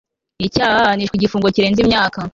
icyaha ahanishwa igifungo kirenze imyaka